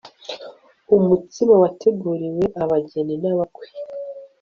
umutsima wateguriwe abageni naba kwe